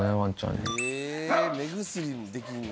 目薬もできんの。